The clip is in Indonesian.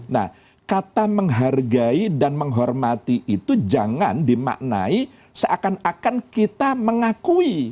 nah kata menghargai dan menghormati itu jangan dimaknai seakan akan kita mengakui